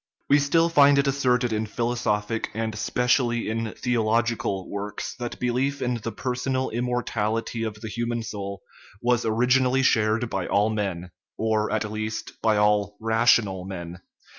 We still find it asserted in philosophic, and espe cially in theological, works that belief in the personal immortality of the human soul was originally shared by all men or, at least, by all " rational " men.